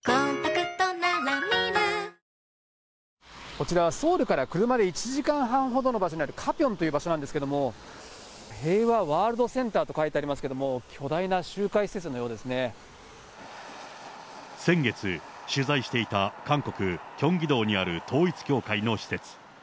こちらはソウルから車で１時間半ほどの所の場所にあるカピョンという場所なんですけれども、平和ワールドセンターと書いてありますけれども、先月、取材していた韓国・キョンギ道にある統一教会の施設。